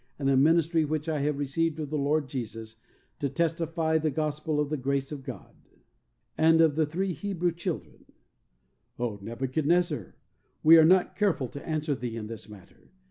and the ministry which I have received of the Lord Jesus to testify the gospel of the grace of God." And of the three Hebrew children: "O Nebuchadnezzar, we are not careful to answer thee in this matter.